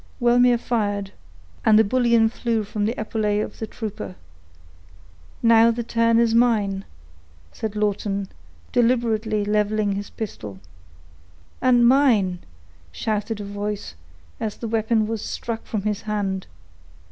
Wellmere fired, and the bullion flew from the epaulet of the trooper. "Now the turn is mine," said Lawton, deliberately leveling his pistol. "And mine!" shouted a voice, as the weapon was struck from his hand.